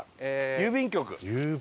郵便局。